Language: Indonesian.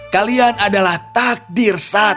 kalian adalah takdir satu sama lain